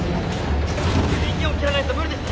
電源を切らないと無理です